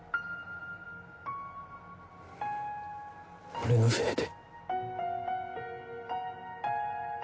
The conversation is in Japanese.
俺のせいで。